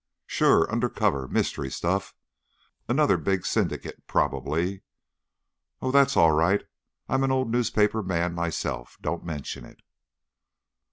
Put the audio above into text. Sure! Under cover. Mystery stuff! Another big syndicate probably.... Oh, that's all right. I'm an old newspaper man myself. Don't mention it."